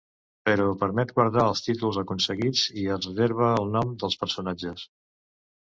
Però permet guardar els títols aconseguits i es reserva els noms dels personatges.